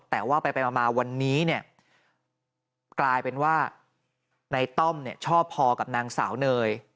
แต่ว่าไปมาวันนี้เนี่ยกลายเป็นว่าในต้อมเนี่ยชอบพอกับนางสาวเนย